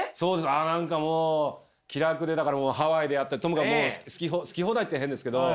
何かもう気楽でハワイでやってともかく好き放題って変ですけど。